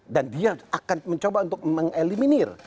dan dia akan mencoba untuk mengeliminir